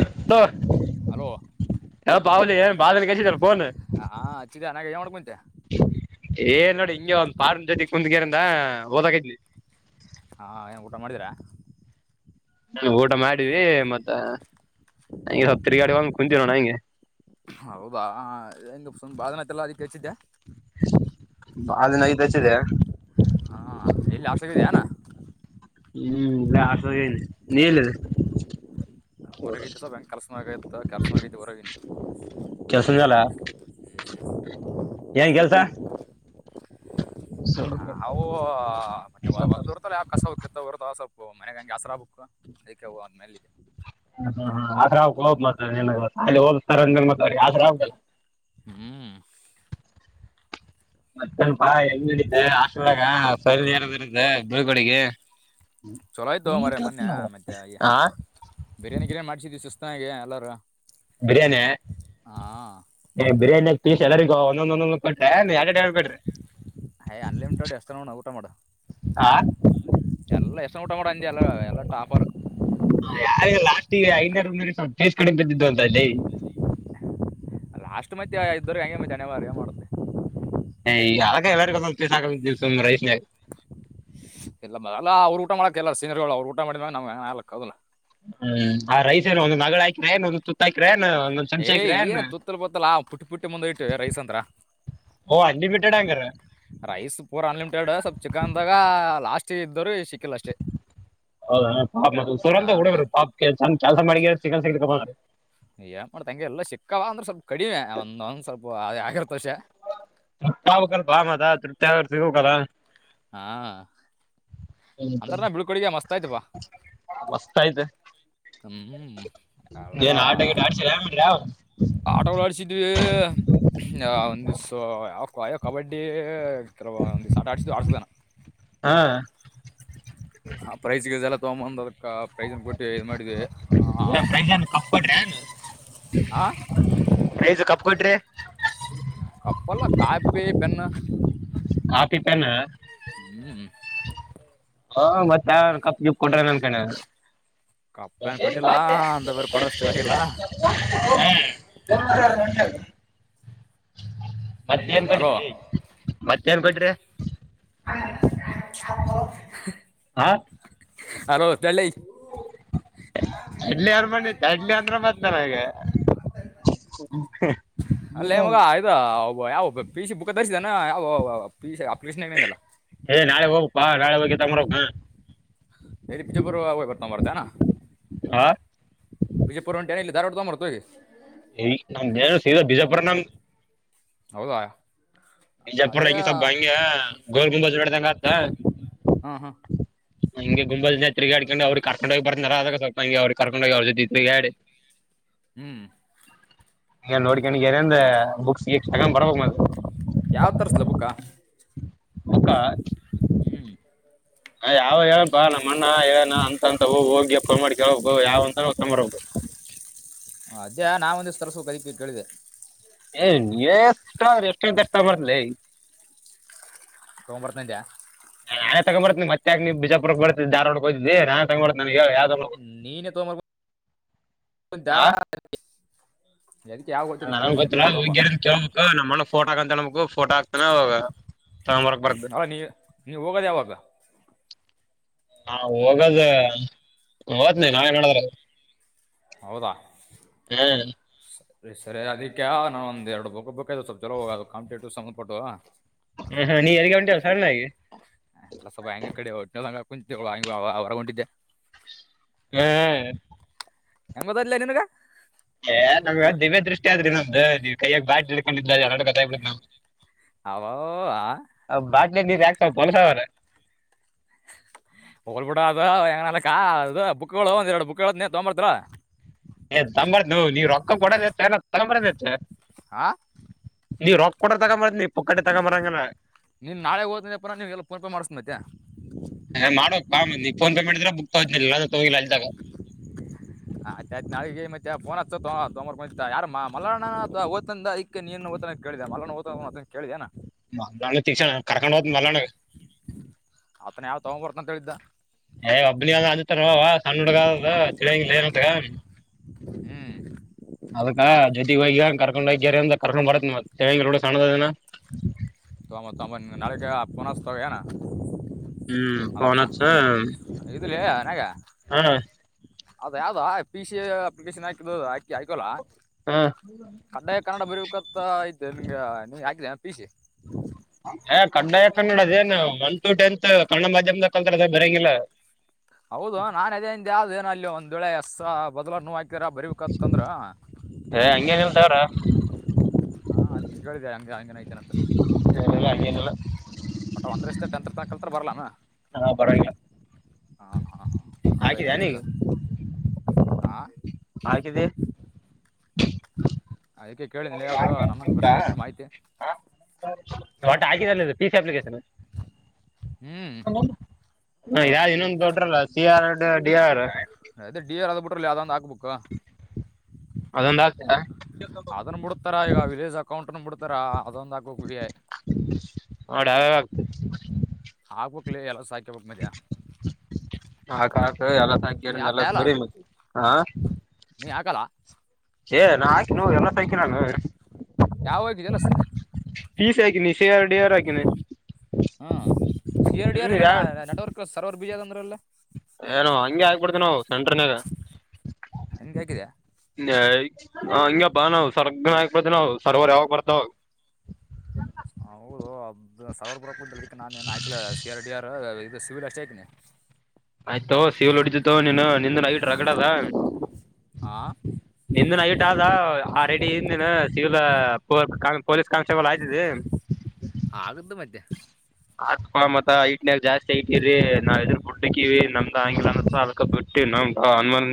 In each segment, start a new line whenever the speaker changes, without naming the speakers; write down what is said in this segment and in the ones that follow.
ಎತ್ತ
ಹಲೋ
[unintelligible] [unintelligible]
ಹಾಂ ಹಚ್ಚಿದ್ದೆ ಅನ್ನಾಗ ಏನು ಮಾಡ್ಕೊಂತೆ
ಏನ್ ನೋಡಿ ಹಿಂಗ ಒಂದ್ ಫಾರ್ಮ ಜೊತೆಕ್ ಮುಂದ್ಗೇರಂದ ಓದಕಿದ್ವಿ
ಹಾಂ ಏನು ಊಟೋ ಮಾಡಿದ್ದೀರಾ
ಊಟ ಮಾಡಿವಿ ಮತ್ತ ಹಗೆ ಸ್ವಲ್ ತಿರುಗಾಡಿ ಹೋಗ ಕುಂತೀವ ನೋಣ ಹಂಗೆ
ಹ ಬಾಂಗ್ ಬಾದನತ್ತಲ್ಲ ಅದಕ್ಕೆ ಹೆಚ್ಚಿದ್ದೆ
ಅನಐದು ಹಚ್ಚಿದೆ
ಹಾ ಎಲ್ಲಿ ಹಾಸ್ಟಲ್ ಆಗಿದೆ ಏನು
ಹ್ಮ್ ಇಲ್ಲೇ ಹಾಸ್ಟೆಲ್ ಇದ್ದೀನಿ ನೀವೆಲ್ಲಿದ್ದೀಯಾ
ಹೊರೋಗತ್ತು ಸ ಕಾಲಶಮಾಗ ಕಾಲಶಮಾಗಿತಿ ಹೊರನ
ಕೆಲ್ಸ ಮ್ಯಾಲ ಏನ್ ಕೆಲ್ಸ
ಅವು ಮತ್ತೆ ಹೊಲ್ದ ಇರ್ತಲ್ಲ ಯಾವ ಕಸವ ಕತ್ತ್ರ್ತಾವಸ ಓಹ್ ಮನೆಗೆ ಹಂಗೆಸ್ರಾ ಬುಕ್ ಅದಕ್ಕೆ ಹ ಅಂದ ಮೇಲೆ ಇದೆ
ಹ ಹ ಆದ ಹೋಗ ಮ ಅಲ್ಲಿ ಹೋಗ್ತಾರ ಆದ್ರ [unintelligible]
ಹ್ಮ್
ಮನಪಾ ಹೆಂಗಡಿದ್ದ ಆಸಲಾಗ ಸರಿಲ್ ಯಾರದ ಇರುತ್ತ ಬಿಳ್ಗಡೆಗೆ
ಚಲೋ ಆಯ್ತು ಮರ ಮೊನ್ನೆ ಮತ್ತೆ ಅಯ್ಯ
ಹಾ
ಬಿರಿಯಾನಿ ಗಿರಿಯಿ ಮಾಡ್ಸಿದಿದ್ದ್ ಸುಸ್ತ ಗೆ ಎಲ್ಲಾರು
ಬಿರಿಯಾನಿ ಬಿರಿಯಾನಿ ಪೀಸ್ ಎಲ್ಲರಿಗ ಇನ್ನೊಂದೊಂದೊಂದು ಕೊಟ್ರೆ ನೀ ಎ ಹೇಳ್ ಬಿಟ್ರಿ
ಹೇ ಅನ್ಲಿಮಿಟೆಡ್ ಎಷ್ಟು ನೋಡ ಊಟ ಮಾಡು ಎಲ್ಲ ಎಸ ಊಟ್ಟ ಕೂಡ ಅಜಿ ಎಲ್ಲ ಎಲ್ಲ ಟಾಫರ್
ಯಾರ ಲಾಸ್ಟ್ ಐನಾರು ಸ್ವಲ್ಪ ಬೇಸ್ ಕಡೆ ಬಿದ್ದಿದ್ದು ಅಂತ ಅಲ್ಲಿ
ಲಾಸ್ಟ್ ಮತ್ತೆ ಇದ್ದರು ಹಂಗೆ ಮತ್ತೆ ಅನ ಮಾರ ಮಾಡುತ್ತೆ
ಹ ಈ ಅಲ್ಲಗೊಕಸು ರೈಸ್ ನಾಗ
ಎಲ್ಲ ಅಲ್ಲ ಅವ್ರು ಊಟ ಮಾಡಕ್ ಎಲ್ಲ ಸೀನಿಯರ್ಗಳು ಅವ್ರು ಊಟ ಮಾಡಿದ್ಯಾಗ ನಮ್ ಹಕ್ಕದಲ್ಲ
ಹ್ಮ್ ಆ ರೈಸ್ ಏನು ಒಂದು ನಗಳು ಹಾಕ್ರ ಏೊಂದಂದು ತುತ್ತಾಕ್ರೆ
ಏ ಏನ್ ತುತ್ತಲ ಬೊತ್ತಲ ಪುಟ್ಟಿ ಪುಟ್ಟಿ ಮುಂದ ಇಟ್ಟ ರೈಸ್ ಅಂದ್ರ
ಓ ಅನ್ಲಿಮಿಟೆಡ್ ಹಂಗಾರ
ರೈಸ್ ಪೂರ ಅನ್ಲಿಮಿಟೆಡ್ ಸಬ್ ಚಿಕನ್ದಾಗ ಲಾಸ್ಟ್ ಇದ್ದೋರು ಸಿಕ್ಕಿಲ್ಲ ಅಷ್ಟೇ
ಹೌದ ಪಾ ಸೂರ
ಹಾ
ಅಂತ ಹುಡವ್ರು ಪಾಪ್ ಕೆ ಚಂದನ್ ಕೆಲಸ ಮಾಡಿ ಸಿಗನ್ ಸಿಗ
ಏನ್ ಮಾಡತಂಗೆ ಎಲ್ಲಾ ಸಿಕ್ಕವ ಅಂದ್ರೆ ಸ್ವಲ್ಪ ಕಡಿಮೆ ಒಂದೊಂದ್ ಸ್ವಲ್ಪ ಅ ಆಗಿರ್ತೋಷ
[unintelligible]
ಹಾ
ಹ
ಅಂದ್ರ ನಾ ಬೀಳ್ಕೊಡಿಗೆ ಮಸ್ತ್ ಆಯ್ತಪ್ಪ
ಮಸ್ತ್ ಆಯತೆ
ಹ್ಮ್
ನೀನ್ ಆಟಗಟ್ ಆಡ್ಸ ಹ ಮಾಡ್ರಿ
ಆಟೋಗಳು ಆಡ್ಸಿದ್ವಿ ಒಂದು ಸಯ ಕಬಡ್ಡಿ ಒ ಸ್ಟಾರ್ಟ್ ಆ ಪ್ರೈಜಿಗೆ ಜಲ್ಲ ತಗಂದ ಪ್ರೈಸ್ನ್ ಕೊಟ್ಟ ಇದು ಮಾಡಿದ್ವಿ ಹ
ಪ್ರೈಸ್ಸ ಕಪ್ ಕೊಟ್ರಿ
ಕಪ್ಪಲ್ಲಾ ಕಾಪಿ ಪೆನ್ನ
ಕಾಪಿ ಪೆನ್
ಹ್ಮ್
ಹ ಮತ್ತ ಯಾವನ ಕಪ್ಪ ಗಿಪ್ ಕೊಟಾನೆನ್ ಅನ್ನಕಂಡೆ ನಾ
ಕಪ್ ಪೆನ್
ಹ್ಮ
ಕೊಟ್ಟಿಲ್ಲ
[unintelligible] [inaudible]
ಅಂತ ಬೇರೆ ಕೊಡೋಷ್ಟು ಇದಾಗಿಲ್ಲ
ಮತ್ತ ಏನ್
ಹಲೋ
ಕೂಟ್ಟರಿ ಲೇ ಮತ್ತ ಏನ್ ಕೂಟ್ರಿ ಹಾ
ಅಲೋ ತಳ್ಳಿ
ಇಡ್ಲಿ ಯಾರ ಮಾಡತ್ತ ಇಡ್ಲಿ ಅಂದ್ರೆ ಮತ್ತನಾರ ಈಗೆ ಹ
ಅಲ್ಲೇ ಮಗ ಇದು ಯಾವ ಪಿ ಸಿ ಬುಕ್ಕ ತರಿಸಿದಾನ ಯಾವ ಪಿಸಿ ಪಿಸಿ [unintelligible]
ಬಾ ನಾಳೆ ಹೋಗಿ ತಮ್ಮಬರಮ್ಮ ಬಾ
ಬಿಜಾಪುರವ ಹೋಗಿ ತೂಗಂಬರ್ತ ಏನು
ಹಾ
ಬಿಜಾಪುರ ಹೂಂಟೆನ ದಾರವಾಡ ತಗೊಂಬರ್ತಿ ಹೋಗಿ
ಈ ನಮ್ದನ ಸಿದ ಬಿಜಾಪುರ ನಮ್ದ
ಹೌದಾ
ಬಿಜಪುರ
ಅದೇ
ಹೆಂಗ ಸ್ವಲ್ಪ ಹಂಗ ಗೋಲ ಗುಂಬಜ ನೋಡಿದಂಗ ಆತದ
ಹ್ಮ ಹ್ಮ
ಹಂಗೆ ಗುಂಬಲ್ ಹ ತಿರುಗಾಡ್ಕೊಂಡು ಅವ್ರ ಕರ್ಕೊಂಡ ಹೋಗಿ ಬರ್ತಾರದಾಗ ಸ್ವಲ್ ಹಂ ಅವ್ರ ಕರ್ಕೊಂಡೋಗಿರ ಜೊತಿ ತಿರಗಾಡಿ
ಹ್ಮ್
ಈ ನೋಡ್ಕೊಂಡಗೆರಿಂದ ಬುಕ್ಸ್ ಗಿಕ್ಸ್ ತಗೊಂಡ್ ಬರ್ಬಕ್ ಮತ್ತ
ಯಾವದ ತರಸ್ಲಿ ಬುಕ್ಕ
ಬುಕ್ಕ
ಹ್ಮ್
ಹ ಯಾವ್ ಹೇಳೆನ ಪಾ ನಮ್ಮ ಅಣ್ಣ ಹೇಳಣ ಅಂತ ಅಂತ ಹೋಗಿ ಫೋನ್ ಮಾಡಿ ಕೇಳಳ್ಬೇಕ ಯಾವಂತರ್ ಅವು ತೋಂಬ ಬರಬೇಕ
ಅದೇ ನಾವ ಒಂದಷ್ಟು ತರ್ಸಬೇಕ ಅದಕ್ಕೆ ಕೇಳಿದೆೆ
ಏ ನೀ ಎಷ್ಟ್ರ ಎಷ್ಟ ಎಷ್ಟ ಬರತ್ತಿನಿಲೆ
ತೋಂಬರತಿನಂದೆ
ನಾನೆ ತಗಂಬರತ್ತಿನೀ ಮತ್ ಯಾಕೆ ನೀ ಬಿಜಾಪುರ ಬರ್ತಿದ್ದ ದಾರ್ವಾಡಗೆ ಹೋಗಿದ್ದೀ ನಾ ತಗಂಬರತ್ತಿನೀ ಹೇಳ ಯಾವ ತರಬೇಕು
ನೀನೇ ತೊಗೊಂಬರ್ಕೊಂತ
ಹ
ಅದಕ್ಕೆ ಯಾವ ಗೊತ್ತಿದೆ
ನನಗ ಯಾವೆನ
ಕೇಳಿದೆ
ಗೊತ್ತಿಲ್ಲ
ನೀನು
ಹೋಗ
ತೊಗೊಂಬ
ಕೇಳ್ಬೇಕು ನಮ್ಮಣಗ ಪೋಟೋ ಹಾಕಂತಳ್ಬೇಕು ಫೋಟೋ ಹಾಕ್ತಾನ ಹೋಗ
ಹ ನೀ ನೀವ ಹೋಗೋದ ಯಾವಾಗ
ನಾವ ಹೋಗದ ಓತ್ನಿ ನಾಳೆ ನಾಡದ್ರಾಗ
ಹೌದಾ ಸರಿ ಅದಕ್ಕೆ ನಾ ಒಂದ ಎರಡ ಬುಕ್ ಬೇಕಾಗಿದವ ಸ್ವಲ್ಪ ಚಲೋ ಹೋಗೋದು ಕಾಂಪಿಟೇಟಿವ್ ಸಂಬಧಪಟ್ಟ
ನೀ ಎಲ್ಲಿಗೆ ಹೊಂಟಿಯಲ್ಲ ಸಣ್ಣ ಆಗಿ
ಇಲ್ಲ ಸ್ವಲ್ಪಗ ಹಂಗೆ ಈ ಕಡೆ ಹೊರಗೋಂಟಿದ್ದೆ
ಎ
ಹೆಂಗ ಗೊತ್ತಾಯ್ತಲೆ ನಿನಗೆ
ಏ ನಮ್ ದಿವ್ಯ ದೃಷ್ಟಿ ಆದ್ರಿ ನಮ್ದು ನೀವ ಕೈಯಾಗ ಬಾಟ್ ಇಡ್ಕೊಂಡಿದ ಎಲ್ಲಟು ಗೊತ್ತಾಗಿಬಿಡುತ್ತ ನಮಗ
ಅವ್ವವವ್ವ
[unintelligible]
ಹೋಗಲ್ಬ ಬಿಡ ಅದ ಹೆಂಗನಾಗಲಕ ಅದು ಬುಕ್ಗಳು ಒಂದ್ ಎರಡು ಬುಕ್ ಹೇಳತಿನೀ ತಗೊಂಬರ್ತಿಲ್ಲ
ಏ ತಂಬ್ರತಿನೂ ನೀವ್ ರೊಕ್ಕ ಕೊಡೋದೆಚ್ಚ ನಾವ ತಂಬ್ರದ ಹೆಚ್ಚ
ಆ
ನೀವು ರೂಕ್ಕ ಕೊಟ್ರ ತಗೊಂಬರ್ತೀನಿ ಪುಕ್ಕಟ್ಟೆ ತಗೊಂಬರಂಗನ
ನೀನ ನಾಳೆ ಹೋತ್ತಿನಿ ಅಂದ್ರಪರ ಫೋನ್ಪೇ ಮಾಡ್ಸತಿನಿ ಮತ್ತ
ಹ ಮಾಡೋಕ್ ಬಾಂದ ನೀಫೋನ್ ಪೇ ಮಾಡಿದ್ರೆ ಬ ಹ ತುಗೆ ಲತಾಗ
ನಾಿಗೆ ಮತ್ತಫೋನ್ ಹತ್ತ ತರ್ ಯಾರ ಮಲ ಓಂದ ಅಐಕ ನೀನು ಓ ಕೇಳ ಮಲ ಕೇಳಿ ಜಾ
ಮಲ್ತಿಕ್ಷಣ ಕಾರ್ಕೊಂಡ ಹ ಮಲ್ಲಣ
ತಗೊ ಬರ್ತ ಅಂತ ಹೇಳಿದ್ದ
ಏಒಬ್ಲಿ ಅ ಅತಾರ ಸಣ್ಣ ಹುಡುಗದ ತಿಳಿಯಂಗನ್ಂತಗ
ಹ್ಮ್
ಅದಕ್ಕ ಜ್ಯೋತಿ ಬಾಯಗ ಕರ್ಕೊಂಡು ಹಂದ ಕರ್ಕೊಂಡ್ ಬಾರತ್ತ ಮೋ ಸಣ್ಣದದ
ತ ಮ ತ ನಾಳಗೆ ಪನಸ್ ತಗ ಏನ
ಹ್ಮ್
ಹದ
ಫೋನ್ ಹಚ್ಚ
ಇದುಲ್ಲ ಹಗೆ
ಹಾ
ಅದ ಯಾವ್ದ ಪಿ ಸಿ ಎ ಅಪ್ಲಿಕೇಶನ್ ಹಾಕ ಆಕಿ ಆಯಕೊಲ್ಲಾ
ಹಾ
ಕಡ್ಡಾಯ ಕನ್ನಡ ಬರಬೇಕಂತ ಐತೆ ನಿಮ್ಗೆ ನೀ ಹಾಕಿದ ಪ ಸಿ
ಹಏ ಕನ್ನಡಾಯ ಕನ್ನಡ ಅದೇನ್ ಒನ್ ಟು ಟೆಂತ್ ಕನ್ನಡ ಮಾಧ್ಯಮದ ಕಲ್ತಾರ ಅದ ಬರಂಗಿಲ್ಲ
ಹೌದು ನಾನ್ ಅದೇದ ಯಾವ್ದ ಏನ ಅಲ್ಲಿ ಒಂದ್ ವೇಳೆ ಎಸ ಬದಲ ನೋ
ಏ ಹಂಗೇನಲ್ತಾವ್ರ
ಹಾ ಅದ್ ಕೇಳಿದೆ ಹಂಗ ಹಂಗೆನ ಐತೆನಂತ
ಏನಲ್ಲ
ಒಟ ಒಂದ್ರಷ್ಟ ತ ಕಳ್ತ ಬರ್ಲಾನ
ಹಾ
ಹ ಹ
ಹಾಗಿದ ನೀಗ
ಆಾ
ಹಾಗಿದೆ
ಯದಕೆ ಕೇಳಿದಿಲ್ಲ ಯಾವ್ದದು ನಗೆ ಅಷ್ಟು ಬಯ್ದರು ಮಾಹಿತಿ
ಆಟ ಹಾಕಿದಲ್ಲ ಪ ಸಿ ಅಪ್ಲಿಕೇಶನ್
ಹ್ಮ್
ಹ ಯಾವ್ದ ಇನ್ನೊಂದು ದೊಡ್ಡ್ರಲ್ಲ ಸಿ ಆರ್ ಡಿ ಆರ್
ಲಯಾದ ಅ ಆ ಬು
ಅದೊಂದ್ ಹಾಕ್ತ
ಅದನ್ನು ಬಿಡತಾರ ಈಗ ವಿಲೇಜ್ ಅಕೌಂಟ್ ಬಿಡ ಇದರ ಅದೊಂದಾಗಿಗ್ವೇ
ನೋಡ ಅವ ಆಗ್ತ
ಹಾಕ್ಬೇಕ್ಲಿ ಎಲ್ಲ ಸಾ
ಹಕಾಕ ಎಲ್ಲ
ನೀ
ಸಾಕಿರಿ ಎಲ್ಲ
ಹಾಕ್ತಾ ಇಲ್ಲ
ಸುಗರಿ ಮವಿ ಹಾ
ನೀ ಆಗಲ್ಲ
ಏ ನಾ ಹಾಕ ನೋ ಎಲ್ಲಕ ನಾನು
ಯಾವಾಗಗಿದೆಲ್ಲಸ
ಪ ಸಿ ಹಾಕಿನನಿ ಸ ಆರ್ ಡಡಿಯರ್ ಹಾಕಿನಿ
ಹ್ಮ್ ಎರಡ ಯಾರು ನೆಟ್ವರ್ಕ್ ಸರ್ವರ್ ಬಿಜಿ ಅದಂದ್ರ ಎಲ್ಲಾ
ಏನು ಹಂಗೆ ಆಗ್ಬಿಡ್ತ ನಾವು ಸಂಡ್ರನ್ಯಾಗ
ಹಂಗೆ ಹಾಕಿದೆ
ಹ ಹ ಬಾ ನಾವು ಸರ್ಗ ನಾಯಕ ಪತಿ ನಾವು ಸರ್ವರ್ ಯಾವಾಗ ಬರ್ತಾವ
ಹ ಹೌದು ಸಾವವರ್ ಬರ ಕುಂತ ನಾನನ್ ಏನ್ ಆಯಕಲ ಸಿ ಆರ್ ಡಿ ಆರ್ ಇದು ಸಿವಿಲ್ ಅಷ್ಟ ಆಯತನಿ
ಆಯ್ತೋ ಸೇವಲ್ ಹೊಡಿದತ ನೀನು ನಿಂದ ನಡ್ರಗಡದ
ಹಾ
ನಿಂದ ನಯಟ್ ಆದ ಆ ರೆಡಿ ಇಂದಿನ ಸಿವಿಲ್ ಪೊಲೀಸ್ ಕಾನ್ಸ್ಟೇಬಲ್ ಆಯ್ತಿದ್ದಿ
ಆಗ್ದ ಮಧ್ಯೆ
ಆತ್ಕೋ ಮತ್ತ ಐಟ್ನ್ಯಾಗ ಜಾಸ್ತಿ ಐಟಿರ ನಾವ್ ಇದ್ರರು ಬುಡ್ಡಕ್ಕಿವವಿ ನಮ್ದ್ ಆಂಗಿಲ ಅಸ ಹಲ್ಕ ಬಿ ನ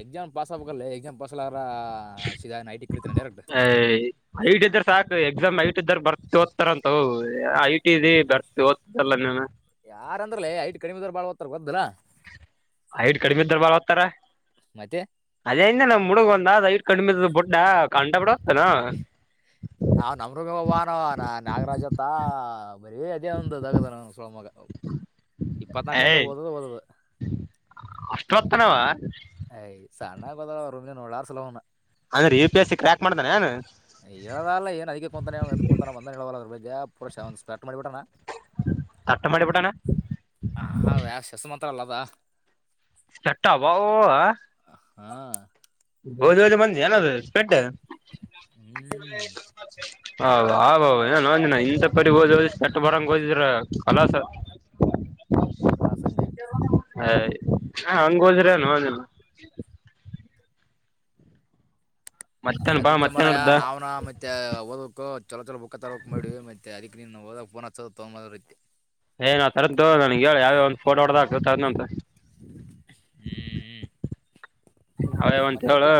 ಎಕ್ಸಾಮ ಪಸ್ ಹಾಗಲ್ಲ ಎಕ್ಸಾಮ ಪಸ್ಲ್ಲ ಸಧ ನೈಟ್ ಇ ಕೀತನ ಡೈರೆಕ್ಟ್
ಐಟ್ ಸಾಕು ಎಕ್ಸಾಮ್ ಐ ಟಿ ಇದರ್ ಬರ್ತಿ ಓದ್ತಾರಂತ ಐಟಿ ಇದ ಬರ್ತಿ ಓದ್ತಲ್ಲ ಮ
ಯಾರ ಅಂದ್ರಲೇ ಐಟ್ ಕಡಿಮಿದದ್ ಬಾಳ ಹೊತ್ತರ್ ಬದಿಲ್ಲಾ
ಹಐಟ್ ಕಡಿಮ ಇದ್ರ ಬರ ಹತ್ತಾರ
ಮತ್ತೆ
ಜಿಂದ ನಮ್ ಮುಡುಗ ಒಂದ ದಯ ಕಂಡ ಬೊಡ್ಡ ಕಂಡ ಬಿಡ ಹೋಗ್ತಾನ
ಆ ನಮ್ರೂಮವಾನ ನಾಗರಾಜ್ತ್ತ ಬರೀ ಅದೇ ಒಂದ ಅಾಗದಾರ ಸೋಳ ಮಗ ಇಪ್ಪತ್ನಾಾಲ್ಕು ಗಂಟೆ
ಏಯ್
ಓದದು ಓದದು
ಪ್ರತ್ತನವಾ
ಯ ಸಣ್ಣ ಕೊತ್ತ ವ ನೋಡಾರು ಸಲೋಣ
ಅಂದ್ರೆ A P A C crack ಮಾಡ್ದಾನ ಏನ್
ಹೇಳದಲ್ಲ ಏನ್ ಅದಕ್ಕೆ ಕುಂತಾನ ಕುಂತಾನ ಬಂದ ಹೇಳ ಪುರ ಶಟ್ ಮಳಿಬಟ್ಟಣ
ತಟ್ಟ ಮಾಡಿಬಿಟ್ಟಾನ
ಹ ಶೇಸ ಮಾತ್ರ ಪತ್ರಲ್ಲದ
ಕೆಟ್ಟ ಅಬಾವ
ಹಾ
ಹೋದ್ ಹೋದು ಬಂದಿ ಏನಾದ ಪಟ್ಟೆ
ಹ್ಮ್
ಹ ಆ ಏನ್ ನಂದಿನ ಇಂಥ ಪರಿ ಓದ ಚಟ್ಟ ಬರಂಗ ಓದಿದ್ರ ಕಲಾಸ
ಕಲಾಸಿಂದ
ಹ ಹಂಗ ಹೋದ್ರೆನುವಿಲ್ಲ ಮತ್ತೇನ್ ಬಾ
ಅದಕ್ಕೆ
ಮತ್ತೇನ್
ಮರಯ
ನಡ್ದ
ನಾವ್ನ ಮತ್ತೆ ಓದಕ್ಕು ಚಲೋ ಚಲ ಬುಕ್ ತರಕ್ ಮಾಡವಿ ಮತ್ತ ಅದಕ್ ನೀ ಹದಾಗಫೋ ಹ ತಗೊತ್ತತಿ
ಏನ್ ನಾವ್ ತದ್ದು ನನ್ಗ್ ಹೇಳ ಯಾವದ ಒ್ ಫೋಡದ ಆಗ್ತದ
ಹ್ಮ್ ಹ್ಮ್
ಯಾವ್ಯಾವ
ಮ
ಅಂತ ಹೇಳ
ಎಾಮ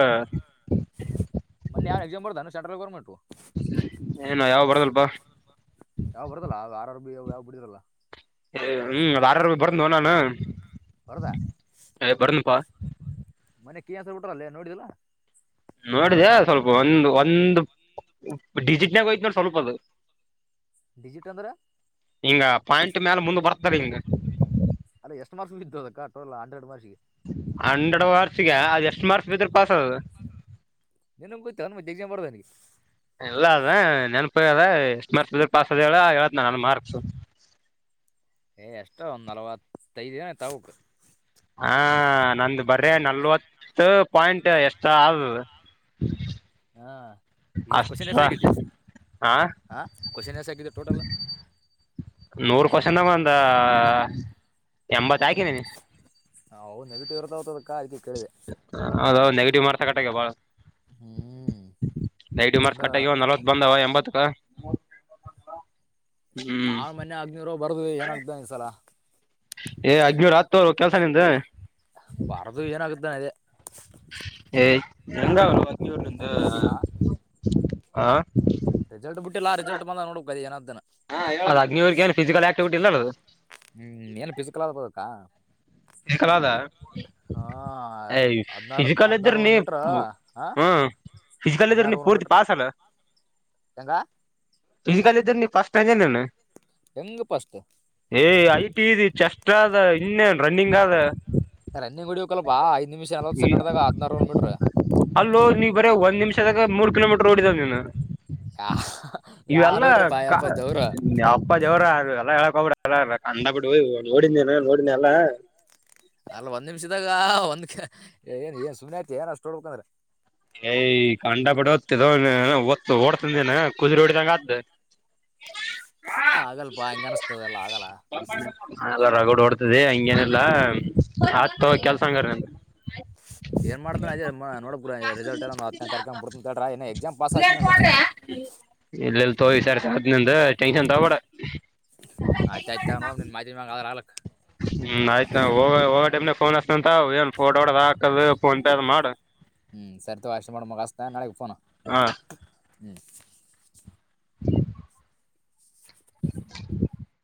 ಮ ಆ ಎಕ್ಾಮ ಬ ಸೆಟಲ್ ಮವ
ಏನು ಯಾವ ಬರದಲ್ಪಾ
ವ ಬಿಡಿದರಲ್ಲ
ಹ್ಮ್ ಅ ಆರಾರ ಬರಂದ ನಾನು
ಹೊದಾ
ಬರ್ದನಪಾ
ಮನೆ ಕೇ ಹಸ ಬಿಟ್ರಲ್ಲೇ ನೋಡಿದಾ
ನೋಡಿದೆ ಸ್ವಲ್ಪ ಒಂದು ಒಂದು ಡಿಜಿಟ್ ನಾಗೋಯ್ತ್ ನೋ ಸ್ವಲ್ಪ ಅದು
ಡಿಜಿಟ್ ಅಂದ್ರೆ
ಹಿಂಗ ಪಾಯಿಂಟ್ ಮ್ಯಾಲ ಮುಂದ ಬರ್ತದೆ ಹಿಂಗ
ಅದಾ ಟ ಹಂಡ್ರೆಡ್ ಮಾಡಿ
ಹನ್ನೆಡು ವಾರ್ಷಿಗೆ ಅದ ಎಷ್ಟ್ ಮಾರ್ಕ್ಸ್ ಬಿದ್ರೆ ಪಾಸ್ ಅದು
ಎ್ಡದ ನನಗೆ
ಎಲ್ಲ ಅದ ನೆನ್ಪ ಅದ್ಮ ಪಾಸ್ ಅದ ಹೇಳ ಹೇಳ ನಾನ ಮಾರ್ಕ್ಸ
ಏ ಎಷ್ಟೋ ಒಂದ್ ನಲ್ವತ್ತೈದ ದಿನ ತಾವಕ್
ಹ ನಂದು ಬರ್ರ ನಲ್ವತ್ ಪಾಯಿಂಟ್ ಎಷ್ಟ ಅ ಹ್ಮ
ಹಾ ಈ ಕವಷನ್ ಎಸ ಆಗಿದ್ದೆ
ಹ
ಹಾಂ ಕ್ವಶನ್ಸ್ ಆಗಿದೆ ಟೋಟಲ್
ನೂರ್ ಕವಷನ್ಾಗ ಒಂದ ಎಂಬತ್ ಹಾಕಿದೀನಿ
ಹವು ನೆಗೆಟಿವ್ ಇರ್ತತದ
ಹೌದೌ ನೆೆಗೆಟಿವ್ ಮಾಡ್ತ ಕಟ್ಟಕ್ಕೆ ಬಾಳ
ಹ್ಮ್
ನೈಡು ಮಾರ್ಚ್
ಅಂದ್ರ
ಕಟ್ಟಾಗಿವ ನಲ್ವತ್ ಬಂದವ ಎಂಬತ್ತಕ ಹ್ಮ್
ನಾವನ್ ಮನ್ ಆಗ್ನೂರ್ ಬರ್ದ ಏನಾಗಗ್್ದ ಈ್ಸಲ
ಏ ಅಜನ ಆತ್ೋರು ಕೆಲ್ಸ ನಿಿಂದ
ಭಾರತ ವಿಜನ ಆಗಿದ್ದನೆ ಅದೇ
ಎಂದ ಅವ
ಆಾ
ಹಾ
ರೆಿಸಲ್ಟ್ ಬಿಟ್ಟಿಲ್ಲ ರೆಿಸಲ್ಟ್ ಬಂದ ನೋಡ್ಬೇಕದ ಏನ್ದನ
ಅದ್ ಅಗ್ನಿವರ್ಗ ಏನ್ ಫಿಸಿಕಲ್ ಆಕ್ಟಿವಿಟಿ ಇಲ್ಲ ಅದು
ಹ್ಮ್ ಏನು ಫಿಸಿಕಲ್ ಆಗ್ಬೋದಕ್ಕಾ
ಹ ಕಲದ
ಹಾ ಹದ್ನಾರು
ಿಜಿಕಲ್ ಇ್ದ್ರ
ಹದ್ನಾರೂರು
ನೀ
ಮೀಟ್ರ ಹಾ
ಹ ಿಜಿಕಲಲಿ ನೀ ಪೂರ್ತಿ ಪಾಸ ಅಲ್ಲ
ಎಂಗಂಗ
ಕ ಇದ್ದ ನೀ ಪಾಸ್ಟ್ಟನೆನೆ
ಎಂಗ ಪಷ್ಟ
ಏ್ ಐ ಟಿ ಇ ಚೆಸ್ಟ್ ಆದ ಇನ್ನೇನ್ ರನ್ನಿಂಗ್ ಆದ
ರನ್ನಿಂಗ್ ಹೊಡವಕ್ಲ್ಪಾಐದ್ ನಿಮಿಷ ಎಲ್ವತ್ತು ಸೆಕಂಡ್ದಾಗ ಹದ್ನಾರುರು ಮೀಟ್ರ
ಬರ ಒಂದ್ ನಿಮಿಷದಾಗ ಮೂರು ಕಿಲೋಮೀಟರ್ ೋಡಿದ ನೀನು
ಯಾ
ಇವೆಲ್ಲ
ಯಾರು ಬಿಟ್ರಪ್ಪ ಯಪ್ಪ ದೇವ್ರು
ಅಪ್ಪ ಜವರಲ್ಲ ಹೇಳಕ ಹಬಡ ಅ ಅಂದ ಬಿಡು ನೋಡಿದೇ ನೋಡಿದಿ ಅಲ್ಲಾ
ಅಲ್ಲ ಒಂದ್ ನಿಮಿಷದಾಗ ಒಂದ್ ಏನ್ ಏನ್ ಸುಮ್ಮನೆ ಆಐತಿ ಏನ್ ಅಷ್ಟ ಹೊೋಡ್ಬೇಕಂದ್ರೆ
ಏಯ್ ಕಂಡ ಬಿಡ ತಿದ ಒತ್ತು ಓಡ್ತಂದನ ಕುದು್ರ ಹೊಡಿದಂಗ ಅ್ದ
ಹ ಆಗಲ್ಪಾ ಹೆಂಗಗೆ ಅನಸ್ತದೆಲ್ಲ ಆಗಲ್ಲ
ರಗೋಡ್ ಹೊಡ್ತದೆ ಹಂಗೇನಲ್ಲಾ ಆತ್
ಹಾ
ಕೆಲ್ಸ ಹಂಗಾರ
ರರಿಿಸಲ್ ಅ ತಾರೆ ಪುತ ಎಕ್ಾಮ ಪಸ್ ಆ್ತಿಲ್ಲತಿ
ಇಲ್ಲೆಲ್ಲಿ ತೋಿ ಸರಿ ಸಾ ನಿಂದ ಟೆನ್ಷನ್ ತಬೋಡ
ಆಯ್ತ ಆಯ್ತ ನೋಡ ನಿನ್ ಮಾತ ಮ ಅ್ರ ಆಲಕ್
ಹ್ಮ್ ಆಯ್ತ ಹೋಗ ಹೋಗೋ ಟಮನಾಗ ಫೋನ್ ಅಸ್ತ ಅಂತ ಏನ್ ಫೋಟೋ ಡ ಹಾಕದ ಫೋನ್ ಪೇ ಅದ್ ಮಾಡ್
ಹ್ಮ್ ಸರಿತ ಅಷ್ಟ ಮಾಡ ಮಗಸ್ತಾ ನಳಗ್ ೋ
ಹಾ
ಹ
[unintelligible] [unintelligible]